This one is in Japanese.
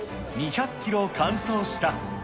２００キロを完走した。